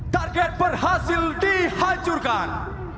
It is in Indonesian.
target berhasil dihancurkan